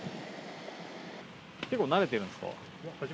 結構慣れてるんですか？